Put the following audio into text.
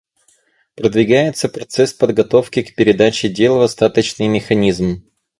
Продвигается процесс подготовки к передаче дел в Остаточный механизм.